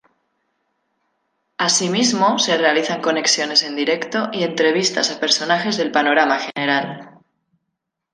Asimismo, se realizan conexiones en directo y entrevistas a personajes del panorama general.